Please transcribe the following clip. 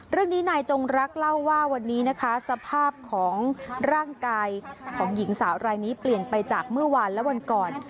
เรื่องนี้นายจงรักเล่าว่าวันนี้นะคะสภาพของร่างกายของหญิงสาวรายนี้เปลี่ยนไปจากเมื่อวานและวันก่อน